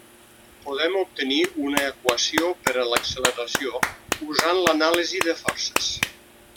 Podem obtenir una equació per a l'acceleració usant l'anàlisi de forces.